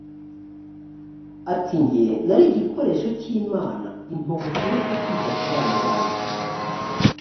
ati njye nari igikoresho cy’imana impa ubutumwa bwo kwita ku bana bayo